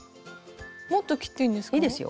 もっと切っていいんですか？